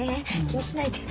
気にしないで。